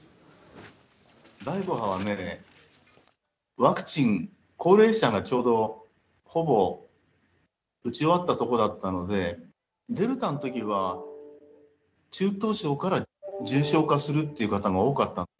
第５波はね、ワクチン、高齢者がちょうどほぼ打ち終わったところだったので、デルタのときは中等症から重症化するっていう方が多かった。